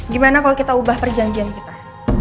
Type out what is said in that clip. gimana kalau kita ubah perjanjian kita